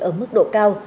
ở mức độ cao